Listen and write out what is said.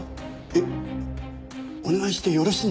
えっお願いしてよろしいんですか？